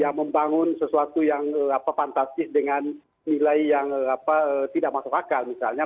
ya membangun sesuatu yang fantastis dengan nilai yang tidak masuk akal misalnya